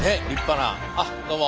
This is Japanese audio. あっどうも。